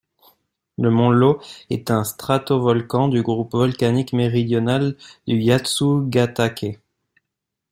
Le mont Iō est un stratovolcan du groupe volcanique méridional de Yatsugatake.